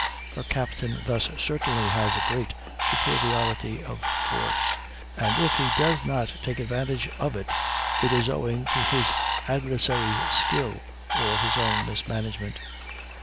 Her captain thus certainly has a great superiority of force, and if he does not take advantage of it it is owing to his adversary's skill or his own mismanagement.